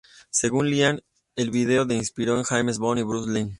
Según Liam el video se inspiró en James Bond y Bruce Lee.